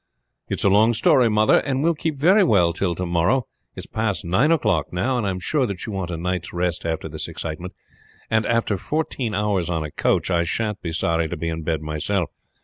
"It's a long story, mother, and will keep very well till to morrow. It is past nine o'clock now, and I am sure that you want a night's rest after this excitement; and after fourteen hours on a coach, I sha'n't be sorry to be in bed myself.